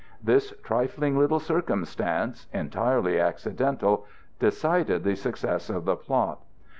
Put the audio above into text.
This trifling little circumstance, entirely accidental, decided the success of the plot.